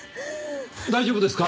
大丈夫ですか？